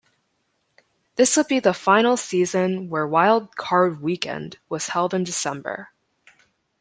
This would be the final season where wild card weekend was held in December.